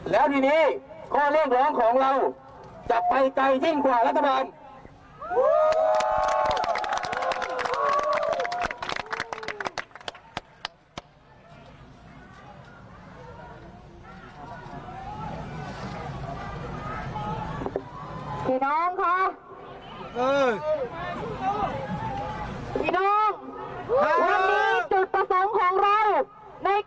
แล้วในการที่เราต้องการจะเดินมาทำเนี่ยรัฐบาลจำริดผลแล้ว